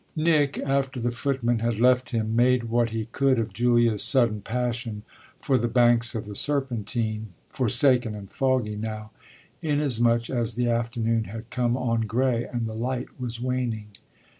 Nick, after the footman had left him, made what he could of Julia's sudden passion for the banks of the Serpentine, forsaken and foggy now, inasmuch as the afternoon had come on grey and the light was waning.